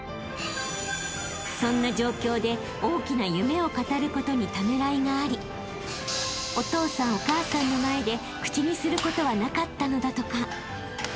［そんな状況で大きな夢を語ることにためらいがありお父さんお母さんの前で口にすることはなかったのだとか］